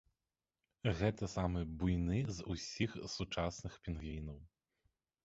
Гэта самы буйны з усіх сучасных пінгвінаў.